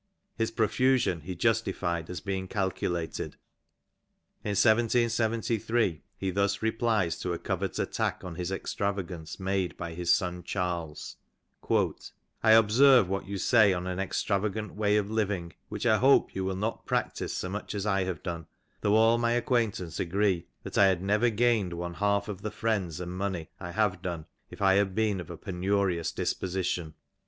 His provision he justified as being calculated. In 1773 he thus replies to a covert attack on his extravagance made by his son Charles :I observe what you say on an extravagant way of living, which I ^* hope you will not practise so much as I have done, tho' all my *' acquaintance agree that I had never gained one half of the friends *^ and money I have done if I had been of a penurious disposition.